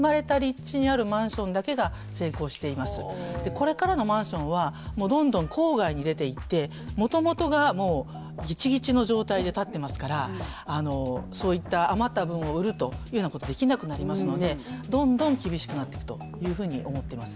これからのマンションはどんどん郊外に出ていってもともとがギチギチの状態で建ってますからそういった余った分を売るというようなことできなくなりますのでどんどん厳しくなっていくというふうに思っています。